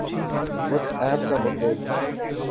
what's app کا متعد